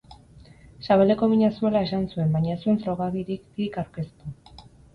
Sabeleko mina zuela esan zuen baina ez zuen frogagiririk aurkeztu.